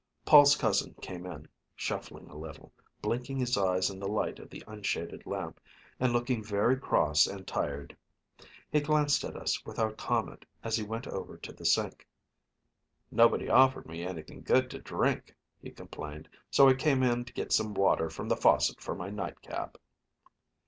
Paul's cousin came in, shuffling a little, blinking his eyes in the light of the unshaded lamp, and looking very cross and tired. He glanced at us without comment as he went over to the sink. "Nobody offered me anything good to drink," he complained, "so I came in to get some water from the faucet for my nightcap."